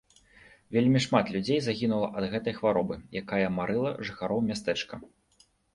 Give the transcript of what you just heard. Вельмі шмат людзей загінула ад гэтай хваробы, якая марыла жыхароў мястэчка.